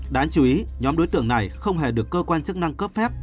đáng chú ý nhóm đối tượng này không hề được cơ quan chức năng cấp phép